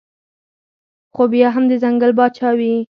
خو بيا هم د ځنګل باچا وي